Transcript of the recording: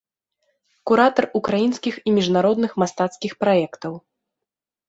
Куратар ўкраінскіх і міжнародных мастацкіх праектаў.